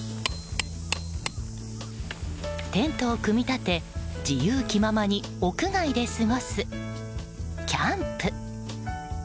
テントを組み立て自由気ままに屋外で過ごすキャンプ。